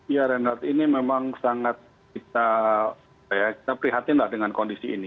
ya renat ini memang sangat kita prihatin lah dengan kondisi ini